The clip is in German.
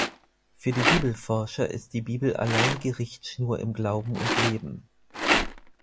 Für die Bibelforscher ist die Bibel alleinige Richtschnur im Glauben und Leben.